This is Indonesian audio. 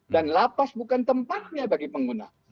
dan lapas bukan tempatnya bagi pengguna